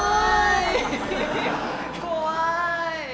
怖い！